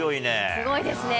すごいですね。